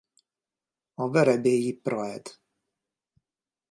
A verebélyi praed.